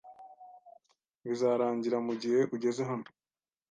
Bizarangira mugihe ugeze hano.